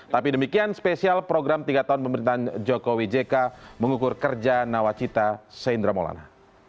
tapi demikian spesial program tiga tahun pemerintahan jokowi jk mengukur kerja nawacita seindra maulana